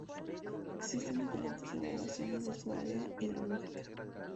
Existen diferentes evaluaciones de su área hidrológica.